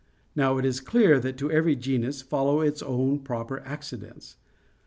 Now it is clear that to every genus follow its own proper accidents.